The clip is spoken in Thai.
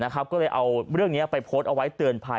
ก็เลยเอาเรื่องนี้ไปโพสต์เอาไว้เตือนภัย